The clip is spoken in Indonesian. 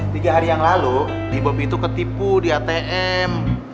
tiga hari yang lalu ibu itu ketipu di atm